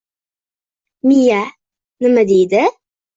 «Miya nima deydi?»